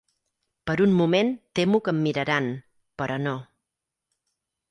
Per un moment temo que em miraran, però no.